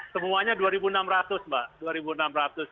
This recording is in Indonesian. semuanya dua enam ratus mbak dua enam ratus